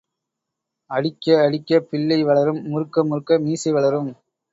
அடிக்க அடிக்கப் பிள்ளை வளரும் முறுக்க முறுக்க மீசை வளரும்.